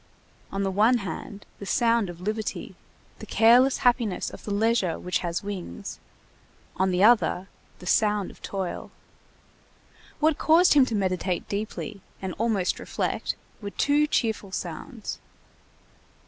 On the one hand, the sound of liberty, the careless happiness of the leisure which has wings; on the other, the sound of toil. What caused him to meditate deeply, and almost reflect, were two cheerful sounds.